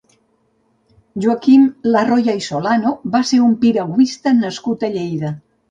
Joaquim Larroya i Solano va ser un piragüista nascut a Lleida.